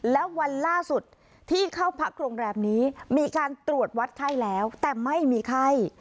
แล้ววันล่าสุดที่เข้าพักโรงแรมนี้มีการตรวจวัดไข้แล้วแต่ไม่มีไข้